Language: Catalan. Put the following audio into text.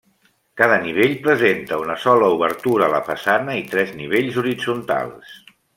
Cada nivell presenta una sola obertura a la façana i tres nivells horitzontals.